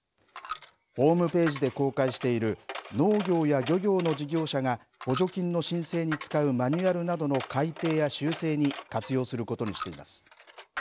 ホームページで公開している、農業や漁業の事業者が補助金の申請に使うマニュアルなどの改訂や修正に活用することにしています。